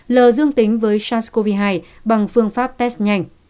l dương tính với sars cov hai bằng phương pháp test nhanh